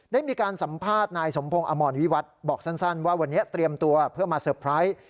ได้มีการสัมภาษณ์นายสมพงศ์อมรวิวัตรบอกสั้นว่าวันนี้เตรียมตัวเพื่อมาเตอร์ไพรส์